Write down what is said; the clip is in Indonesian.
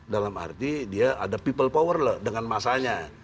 dalam arti dia ada people power loh dengan masanya